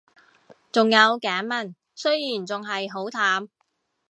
仲有頸紋，雖然仲係好淡